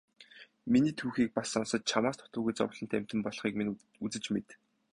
Миний түүхийг бас сонсож чамаас дутуугүй зовлонт амьтан болохыг минь үзэж мэд.